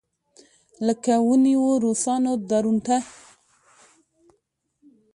لکه ونېوه روسانو درونټه.